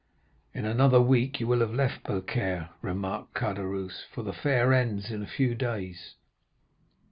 "'In another week you will have left Beaucaire,' remarked Caderousse, 'for the fair ends in a few days.